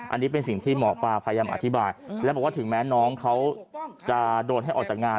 อันนี้เป็นสิ่งที่หมอปลาพยายามอธิบายและบอกว่าถึงแม้น้องเขาจะโดนให้ออกจากงาน